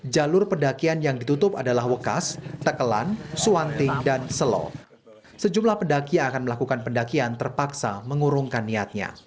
jalur pendakian yang ditutup adalah wekas tekelan suwanting dan selo sejumlah pendaki yang akan melakukan pendakian terpaksa mengurungkan niatnya